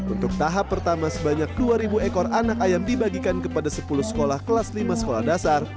untuk tahap pertama sebanyak dua ekor anak ayam dibagikan kepada sepuluh sekolah kelas lima sekolah dasar